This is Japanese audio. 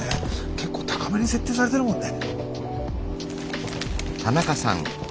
結構高めに設定されてるもんね。